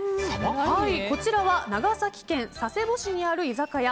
こちらは長崎県佐世保市にある居酒屋